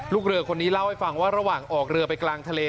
ลูกเรือคนนี้เล่าให้ฟังว่าระหว่างออกเรือไปกลางทะเล